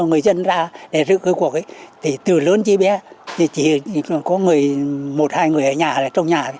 người dân ra để giữ cơ cuộc ấy thì từ lớn chứ bé thì chỉ có một hai người ở nhà là trong nhà